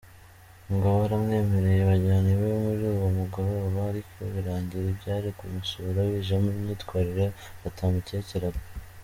Ngo baramwemereye bajyana iwe muri uwo mugoroba ariko birangira ibyari ukumusura bijemo imyitwarire batamukekeraga.